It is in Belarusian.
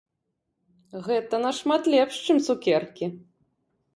Гэта нашмат лепш, чым цукеркі.